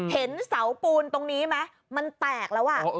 เห็นเสาปูนตรงนี้ไหมมันแตกแล้ว